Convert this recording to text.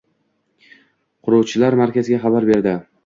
Quruvchilar markazga xabar berdi.